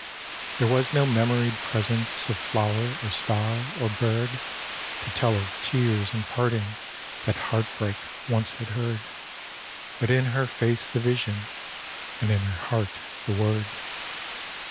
There was no memoried presence Of flower or star or bird To tell of tears and parting That heartbreak once had heard But in her face the vision, And in her heart the word.